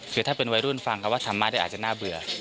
คือถ้าเป็นวัยรุ่นฟังคำว่าธรรมะได้อาจจะน่าเบื่อ